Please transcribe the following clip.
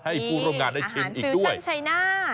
ให้ผู้ร่วมงานได้ชิมอีกด้วยอาหารฟิวชั่นชัยนาธิ์